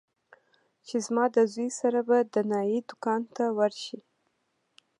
چې زما د زوى سره به د نايي دوکان ته ورشې.